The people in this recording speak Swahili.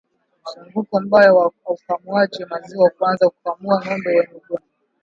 Mzunguko mbaya wa ukamuaji maziwa kuanza kukamua ngombe wenye ugonjwa